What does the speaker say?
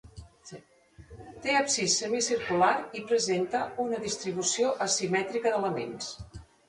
Té absis semicircular i presenta una distribució asimètrica d'elements.